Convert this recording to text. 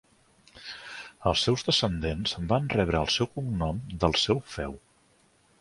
Els seus descendents van rebre el seu cognom del seu feu.